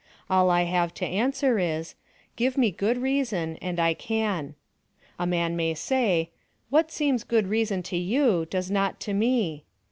All I have to answer is Give me good reason, and I can. A man may say "What seems good reason to you, does not to me."